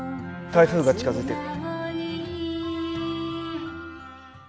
台風が近づいてる。